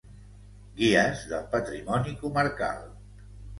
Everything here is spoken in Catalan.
Guies del patrimoni comarcal.